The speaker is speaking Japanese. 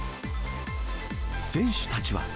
選手たちは。